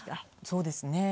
そうですね。